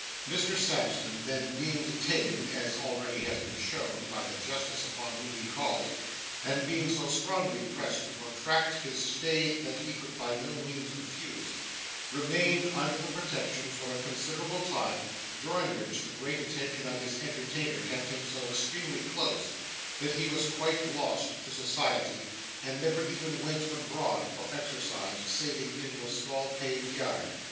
Mr Sampson, then, being detained, as already has been shown, by the justice upon whom he called, and being so strongly pressed to protract his stay that he could by no means refuse, remained under his protection for a considerable time, during which the great attention of his entertainer kept him so extremely close, that he was quite lost to society, and never even went abroad for exercise saving into a small paved yard.